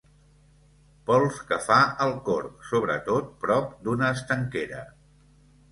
Pols que fa el corc, sobretot prop d'una estanquera.